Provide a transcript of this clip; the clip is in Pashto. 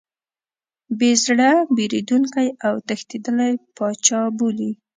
بې زړه، بېرندوکی او تښتېدلی پاچا بولي.